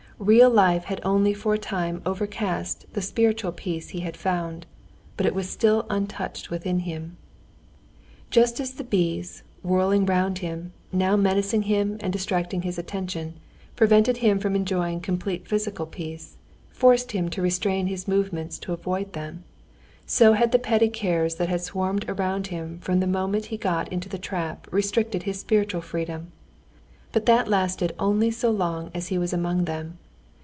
Real life had only for a time overcast the spiritual peace he had found, but it was still untouched within him. Just as the bees, whirling round him, now menacing him and distracting his attention, prevented him from enjoying complete physical peace, forced him to restrain his movements to avoid them, so had the petty cares that had swarmed about him from the moment he got into the trap restricted his spiritual freedom; but that lasted only so long as he was among them.